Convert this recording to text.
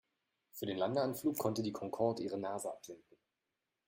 Für den Landeanflug konnte die Concorde ihre Nase absenken.